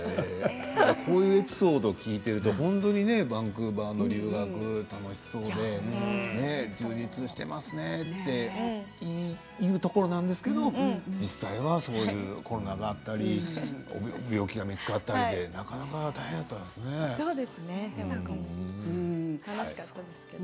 そういうエピソードを聞いているとバンクーバーの留学、楽しそうで充実してますというところなんですが実際はそういうコロナがあったり病気が見つかったり楽しかったですけれど。